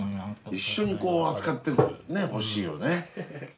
一緒にこう扱ってほしいよね。